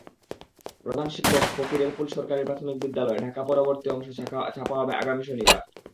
প্রধান শিক্ষক, ফকিরেরপুল সরকারি প্রাথমিক বিদ্যালয়, ঢাকাপরবর্তী অংশ ছাপা হবে আগামী শনিবার।